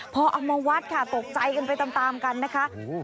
พอเอามาวัดค่ะตกใจกันไปตามกันนะคะ